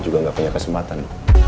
juga gak punya kesempatan